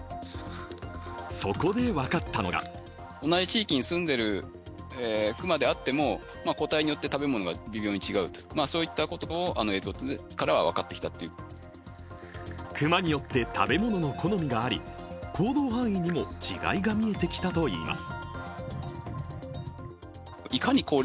そこで分かったのが熊によって食べ物の好みがあり、行動範囲にも違いが見えてきたといいます。